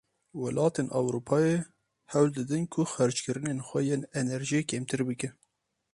Welatên Ewropayê hewl didin ku xerckirinên xwe yên enerjiyê kêmtir bikin.